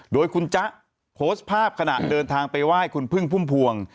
โดยคุณจ๊ะโพสต์ภาพขณะเดินทางไปไหว้คุณพึ่งพุ่มพวง